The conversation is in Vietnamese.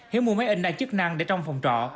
hiếu mua máy in đa chức năng để trong phòng trọ